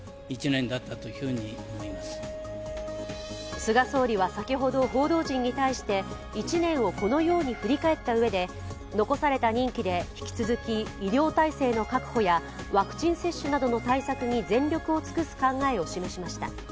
菅総理は先ほど報道陣に対して１年をこのように振り返ったうえで残された任期で引き続き医療体制の確保やワクチン接種などの対策に全力を尽くす考えを示しました。